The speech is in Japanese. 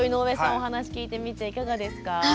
お話聞いてみていかがですか？